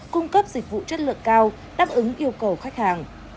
cung cấp dịch vụ chất lượng cao đáp ứng yêu cầu khách hàng